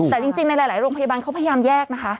แต่จริงในหลายโรงพยาบาลเขาพยายามแยกนะคะ